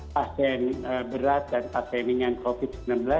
pasien berat dan pasien ringan covid sembilan belas